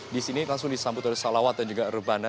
di sini langsung disambut oleh salawat dan juga rebana